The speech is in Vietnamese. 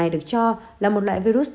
được cho là một loại virus